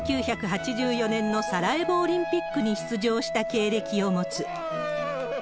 １９８４年のサラエボオリンピックに出場した経歴を持つ。